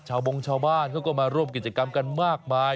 บงชาวบ้านเขาก็มาร่วมกิจกรรมกันมากมาย